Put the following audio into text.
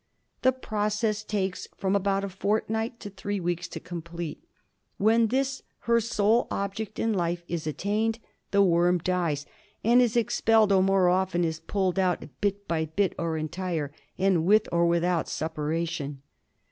The process takes from about a fortnight to three weeks to complete. When this, her sole object in life, is c 2 36 GUINEA WORM. attained, the worm dies, and is expelled or more often is pulled out bit by bit, or entire and with or without suppuration.